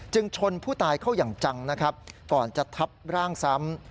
ชนผู้ตายเข้าอย่างจังนะครับก่อนจะทับร่างซ้ำ